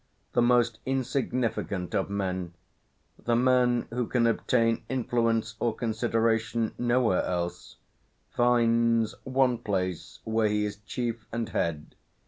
The most insignificant of men, the man who can obtain influence or consideration nowhere else, finds one place where he is chief and head.